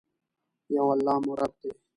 یو الله مو رب دي.